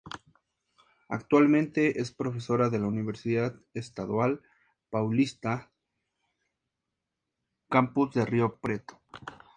Actualmente es profesora de la Universidad Estadual Paulista, campus de Río Preto.